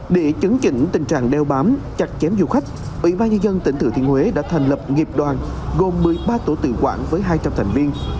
để chấn chỉnh tình trạng đeo bám chặt chém du khách ủy ban nhân dân tỉnh thừa thiên huế đã thành lập nghiệp đoàn gồm một mươi ba tổ tự quản với hai trăm linh thành viên